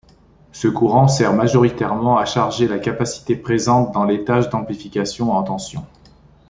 Ce courant sert majoritairement à charger la capacité présente dans l'étage d'amplification en tension.